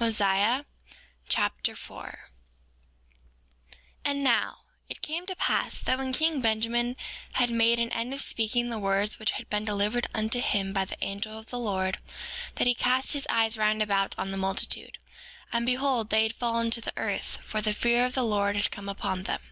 Mosiah Chapter 4 4:1 And now, it came to pass that when king Benjamin had made an end of speaking the words which had been delivered unto him by the angel of the Lord, that he cast his eyes round about on the multitude, and behold they had fallen to the earth, for the fear of the Lord had come upon them.